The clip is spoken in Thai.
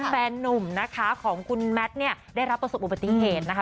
นุ่มนะคะของคุณแมทเนี่ยได้รับประสบอุบัติเหตุนะคะ